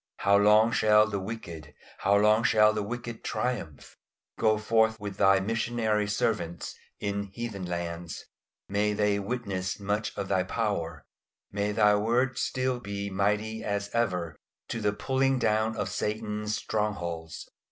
How long shall the wicked, how long shall the wicked triumph? Go forth with Thy missionary servants in heathen lands; may they witness much of Thy power; may Thy word still be mighty as ever to the pulling down of Satan's strongholds.